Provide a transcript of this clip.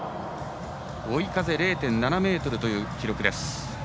追い風０．７メートルという記録。